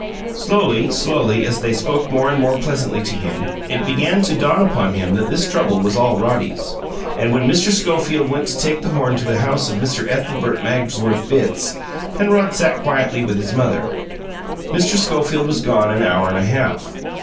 Slowly, slowly, as they spoke more and more pleasantly to him, it began to dawn upon him that this trouble was all Roddy's. And when Mr. Schofield went to take the horn to the house of Mr. Ethelbert Magsworth Bitts, Penrod sat quietly with his mother. Mr. Schofield was gone an hour and a half.